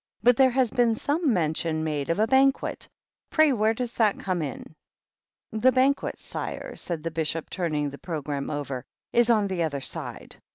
But there has been some mention made of a Banquet; pray where does that come in?" " The Banquet, sire," said the Bishop, turning the Programme over, "is on the other side."